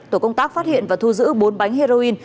tổ công tác phát hiện và thu giữ bốn bánh heroin